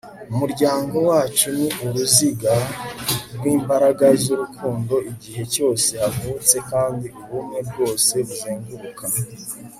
umuryango wacu ni uruziga rw'imbaraga z'urukundo igihe cyose havutse kandi ubumwe bwose buzenguruka